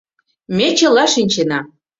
Ме чыла шинчена.